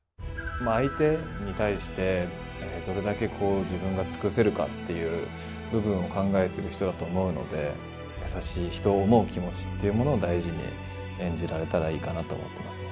相手に対してどれだけ自分が尽くせるかっていう部分を考えてる人だと思うので優しい人を思う気持ちっていうものを大事に演じられたらいいかなと思ってますね。